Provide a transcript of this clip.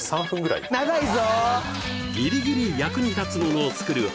長いぞ！